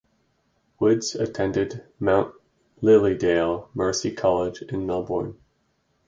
Woods attended Mount Lilydale Mercy College in Melbourne.